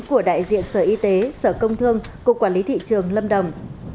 của đại diện sở y tế sở công thương cục quản lý thị trường lâm đồng